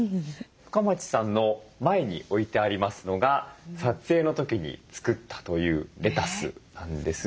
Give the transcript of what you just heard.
深町さんの前に置いてありますのが撮影の時に作ったというレタスなんです。